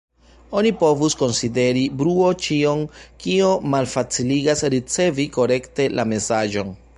Oni povus konsideri bruo ĉion kio malfaciligas ricevi korekte la mesaĝon.